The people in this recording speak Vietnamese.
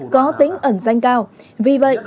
có tính ẩn danh cao vì vậy